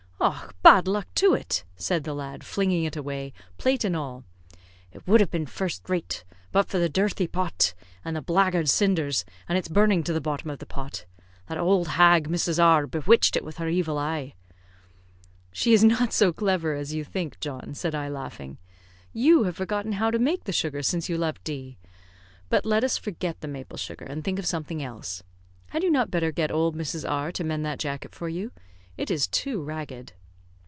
"Och, bad luck to it!" said the lad, flinging it away, plate and all. "It would have been first rate but for the dirthy pot, and the blackguard cinders, and its burning to the bottom of the pot. That owld hag, Mrs. R , bewitched it with her evil eye." "She is not so clever as you think, John," said I, laughing. "You have forgotten how to make the sugar since you left D ; but let us forget the maple sugar, and think of something else. Had you not better get old Mrs. R to mend that jacket for you; it is too ragged."